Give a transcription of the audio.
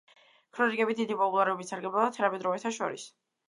ქრონიკები დიდი პოპულარობით სარგებლობდა თანამედროვეთა შორის.